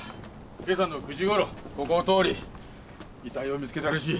今朝の９時頃ここを通り遺体を見つけたらしい。